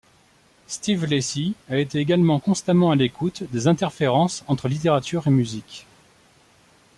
Steve Lacy a été également constamment à l'écoute des interférences entre littérature et musique.